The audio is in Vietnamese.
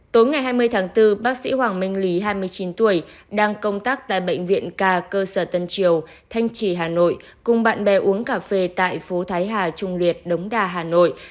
tối ngày hai mươi tháng bốn bác sĩ hoàng minh lý hai mươi chín tuổi đang công tác tại bệnh viện ca cơ sở tân triều thanh trì hà nội cùng bạn bè uống cà phê tại phố thái hà trung liệt đống đa hà nội